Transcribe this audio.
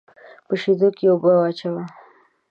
په شېدو کې اوبه واچوه.